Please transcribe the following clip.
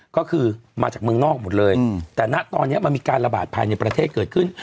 ก็คือมาจากเมืองนอกหมดเลยแต่ณตอนนี้มันมีการระบาดภายในประเทศเกิดขึ้น